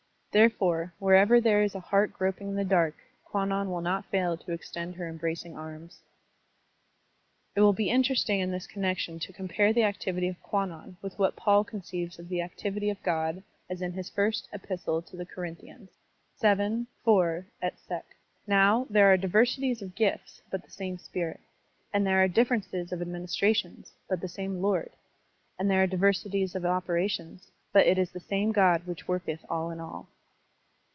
Therefore, wherever there is a heart groping in the dark, Kwannon will not fail to extend her embracing arms. It will be interesting in this connection to compare the activity of Kwannon with what Paid conceives of the activity of God as in his first epistle to the Corinthians (xii, 4 et seq.): *.* Now there are diversities of gifts, but the same spirit. And there are differences of administra tions, but the same Lord. And there are diver sities of operations, but it is the same God which worketh all in all."